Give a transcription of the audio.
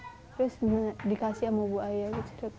terus dikasih sama bu aya gitu